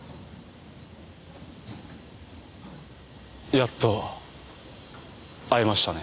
やっと会えましたね。